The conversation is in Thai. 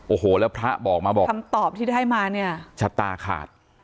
โอ้โหแล้วพระบอกมาบอกคำตอบที่ได้มาเนี่ยชะตาขาด